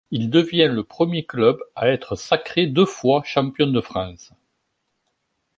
Il devient le premier club à être sacré deux fois champion de France.